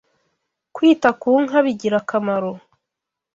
Kwita ku nka bigira akamaro